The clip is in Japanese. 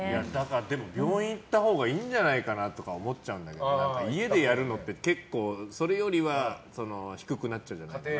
でも、病院に行ったほうがいいんじゃないかなって思っちゃうんだけど家でやるのって結構それよりは低くなっちゃうんじゃないかな。